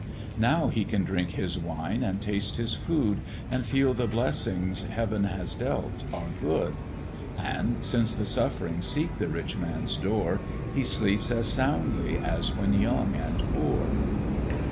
Now he can drink his wine and taste his food, And feel the blessings Heav'n has dealt are good; And, since the suffering seek the rich man's door, He sleeps as soundly as when young and poor.